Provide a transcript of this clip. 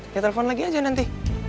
ya telfon lagi aja nanti